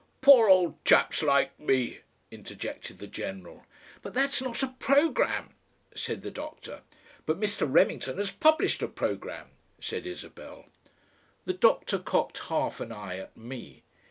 "Poor old chaps like me!" interjected the general. "But that's not a programme," said the doctor. "But Mr. Remington has published a programme," said Isabel. The doctor cocked half an eye at me.